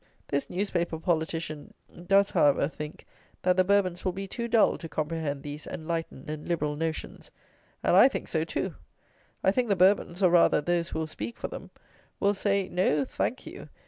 This newspaper politician does, however, think that the Bourbons will be "too dull" to comprehend these "enlightened and liberal" notions; and I think so too. I think the Bourbons, or, rather, those who will speak for them, will say: "No thank you.